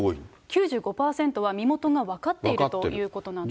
９５％は身元が分かっているということなんです。